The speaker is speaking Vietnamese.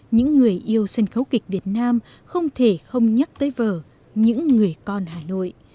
những người yêu sân khấu kịch việt nam không thể không nhắc tới vợ những người con hà nội